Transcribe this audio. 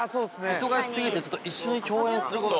◆忙しすぎて、ちょっと一緒に共演することが。